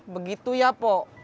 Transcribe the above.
begitu ya po